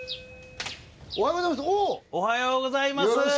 おはようございますおおっ